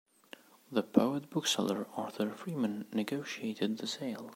The poet-bookseller Arthur Freeman negotiated the sale.